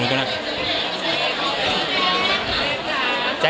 คุณค่ะ